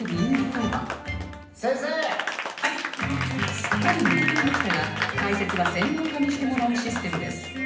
すっかり抜けていましたが解説は専門家にしてもらうシステムです